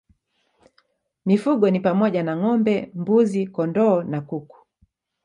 Mifugo ni pamoja na ng'ombe, mbuzi, kondoo na kuku.